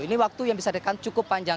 ini waktu yang bisa dikatakan cukup panjang